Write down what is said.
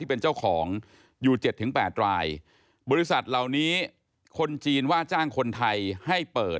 เป็นเจ้าของอยู่เจ็ดถึงแปดรายบริษัทเหล่านี้คนจีนว่าจ้างคนไทยให้เปิด